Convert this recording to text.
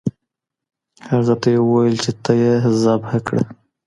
هغه ته ئې وويل، چي ته ئې ذبح کړه